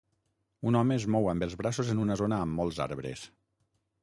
Un home es mou amb els braços en una zona amb molts arbres.